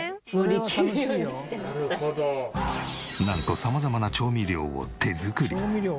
なんと様々な調味料を手作り。